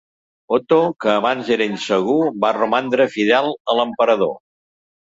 Otto, que abans era insegur, va romandre fidel a l'emperador.